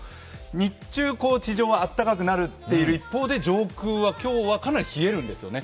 日中、地上はあったかくなっているのに対して上空は今日はかなり冷えるんですよね。